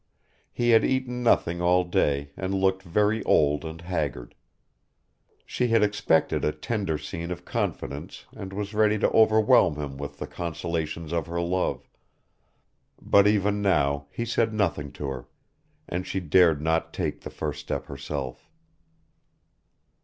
He had eaten nothing all day and looked very old and haggard. She had expected a tender scene of confidence and was ready to overwhelm him with the consolations of her love; but even now he said nothing to her, and she dared not take the first step herself.